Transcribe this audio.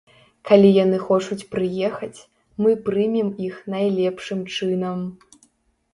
Калі яны хочуць прыехаць, мы прымем іх найлепшым чынам.